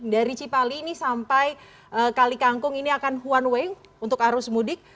dari cipali ini sampai kali kangkung ini akan one way untuk arus mudik